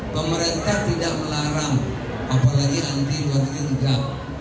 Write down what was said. pemerintah tidak melarang apalagi anti luar negeri enggak